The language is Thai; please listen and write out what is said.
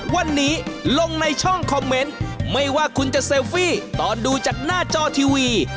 วันนี้ลงในช่องคอมเมนต์ไม่ว่าคุณจะเซลฟี่ตอนดูจากหน้าจอทีวี